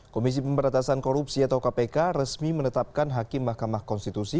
komisi pemberantasan korupsi atau kpk resmi menetapkan hakim mahkamah konstitusi